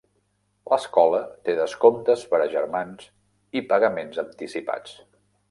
L'escola té descomptes per a germans i pagaments anticipats.